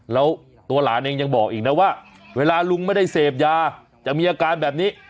แล้วตัวหลานเองยังบอกอีกนะว่าเวลาลุงไม่ได้เสพยาจะมีอาการแบบนี้